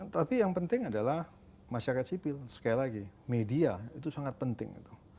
tapi yang penting adalah masyarakat sipil sekali lagi media itu sangat penting